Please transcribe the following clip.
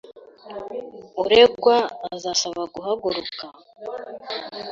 Uregwa azasaba guhaguruka?